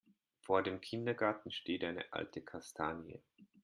Vor dem Kindergarten steht eine alte Kastanie.